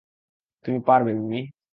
তুমি পারবে মিমি।